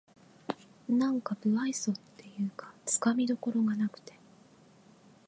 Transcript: なんか無愛想っていうかつかみどころがなくて